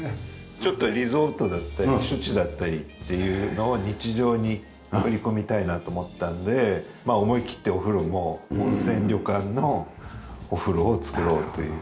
ちょっとリゾートだったり避暑地だったりっていうのを日常に取り込みたいなと思ったので思い切ってお風呂も温泉旅館のお風呂を作ろうという。